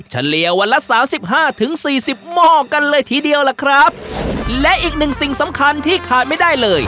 เฉลี่ยวันละสามสิบห้าถึงสี่สิบหม้อกันเลยทีเดียวล่ะครับและอีกหนึ่งสิ่งสำคัญที่ขาดไม่ได้เลย